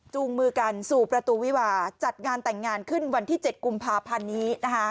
มือกันสู่ประตูวิวาจัดงานแต่งงานขึ้นวันที่๗กุมภาพันธ์นี้นะคะ